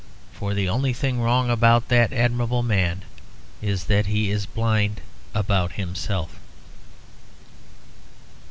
For the only thing wrong about that admirable man is that he is blind about himself.